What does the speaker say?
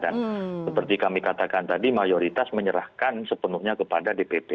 dan seperti kami katakan tadi mayoritas menyerahkan sepenuhnya kepada dpw